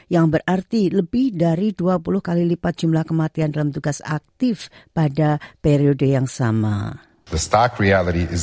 yang berarti lebih dari dua puluh kali lipat jumlah kematian dalam tugas aktif pada periode yang sama